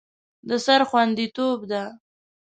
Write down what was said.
د سر خوندیتوب ده.